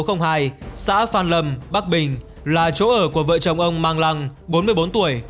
xã phan lâm bắc bình là chỗ ở của vợ chồng ông mang lăng bốn mươi bốn tuổi